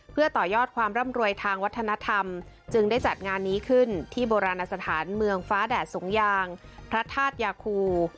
เพื่อต่อยอดความร่ำรวยทางวัฒนธรรมจึงได้จัดงานนี้ขึ้นที่โบราณสถานเมืองฟ้าแดดสูงยางพระธาตุยาคู